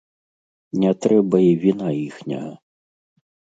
Не трэба і віна іхняга!